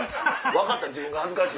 分かった自分が恥ずかしいわ！